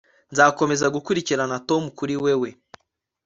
Nzakomeza gukurikirana Tom kuri wewe